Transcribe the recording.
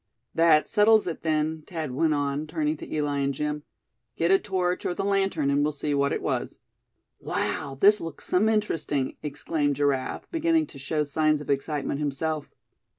"That settles it, then," Thad went on, turning to Eli and Jim; "get a torch, or the lantern, and we'll see what it was." "Wow! this looks some interesting!" exclaimed Giraffe, beginning to show signs of excitement himself.